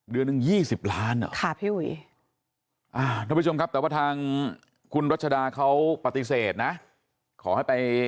เดือนหนึ่ง๒๐ล้านเหรอค่ะพี่หวีทุกผู้ชมครับแต่ว่าทางคุณรัชดาเขาปฏิเสธนะ